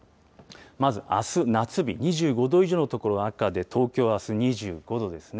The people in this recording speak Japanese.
まずあす夏日、２５度以上の所、赤で、東京はあす２５度ですね。